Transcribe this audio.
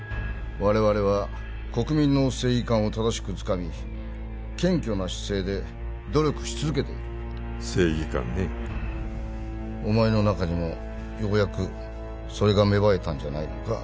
我々は国民の正義感を正しくつかみ謙虚な姿勢で努力し続けている正義感ねえお前の中にもようやくそれが芽生えたんじゃないのか？